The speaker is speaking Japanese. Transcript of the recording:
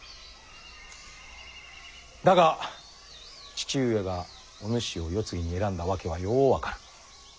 だが父上がお主を世継ぎに選んだ訳はよう分かる。